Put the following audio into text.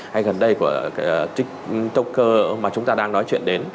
hay gần đây của tiktoker mà chúng ta đang nói chuyện đến